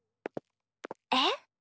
えっ？